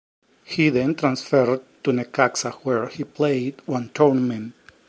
He then transferred to Necaxa where he played one tournament.